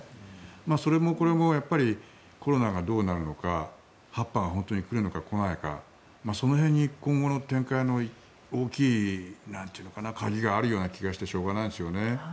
それもこれもやっぱりコロナがどうなるのか第８波が本当に来るのか来ないのかその辺に今後の展開の大きい鍵があるような気がしてしょうがないですよね。